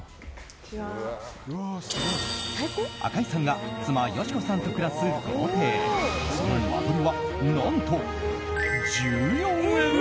赤井さんが妻・佳子さんと暮らす豪邸その間取りは、何と１４ＬＤＫ！